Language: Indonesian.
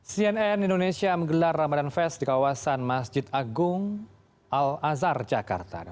cnn indonesia menggelar ramadan fest di kawasan masjid agung al azhar jakarta